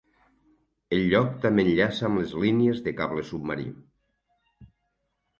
El lloc també enllaça amb les línies de cable submarí.